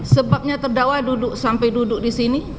sebabnya terdakwa duduk sampai duduk disini